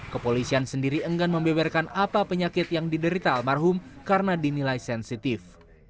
kepolisian sendiri enggan membeberkan apa penyakit yang diderita almarhum karena dinilai sensitif